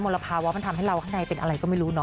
ลภาวะมันทำให้เราข้างในเป็นอะไรก็ไม่รู้เนอ